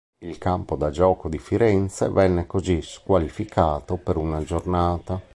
Il campo da gioco di Firenze venne così squalificato per una giornata.